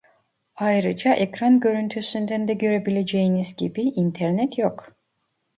Ayrıca ekran görüntüsünden de görebileceğiniz gibi, internet yok